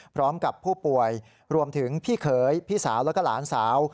พร้อมกับผู้ป่วยรวมถึงพี่เขยพี่สาวแล้วก็หลานสาว